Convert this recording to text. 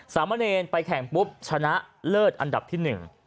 สามเงินไปแข่งปุ๊บชนะเลิศอันดับที่๑